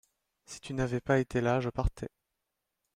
si tu n'avais pas été là je partais.